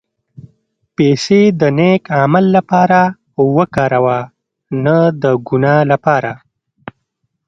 پېسې د نېک عمل لپاره وکاروه، نه د ګناه لپاره.